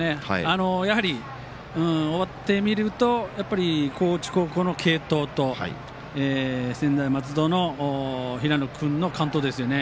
終わってみると高知高校の継投と専大松戸の平野君の完投ですよね。